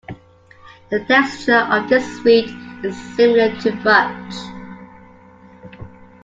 The texture of this sweet is similar to fudge.